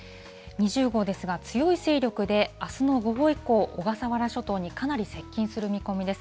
２０号ですが、強い勢力であすの午後以降、小笠原諸島にかなり接近する見込みです。